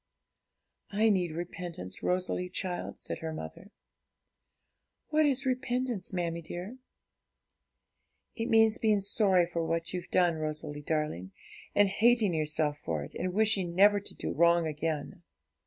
'I need repentance, Rosalie, child,' said her mother. 'What is repentance, mammie dear?' 'It means being sorry for what you've done, Rosalie darling, and hating yourself for it, and wishing never to do wrong again.'